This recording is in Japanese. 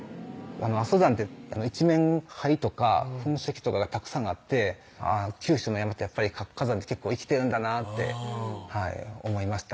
阿蘇山って一面灰とか噴石とかがたくさんあって九州の山ってやっぱり活火山って生きてるんだなって思いました